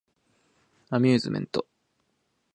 アミューズメント